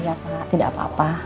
ya tidak apa apa